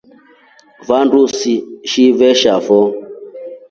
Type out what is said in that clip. Vandu shivesha foo.